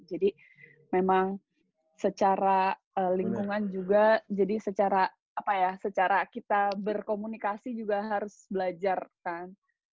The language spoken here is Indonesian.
jadi memang secara lingkungan juga jadi secara apa ya secara kita berkomunikasi juga harus belajar kan